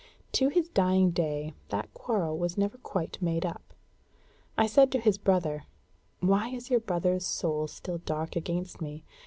To his dying day that quarrel was never quite made up. I said to his brother, 'Why is your brother's soul still dark against me?